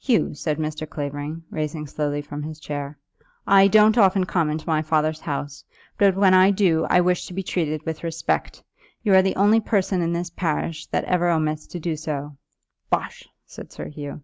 "Hugh," said Mr. Clavering, rising slowly from his chair, "I don't often come into my father's house, but when I do, I wish to be treated with respect. You are the only person in this parish that ever omits to do so." "Bosh!" said Sir Hugh.